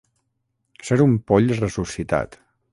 Ser un poll ressuscitat.